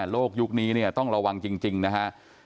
ยุคนี้เนี่ยต้องระวังจริงนะฮะ